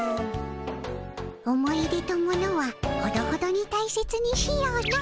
思い出と物はほどほどに大切にしようの。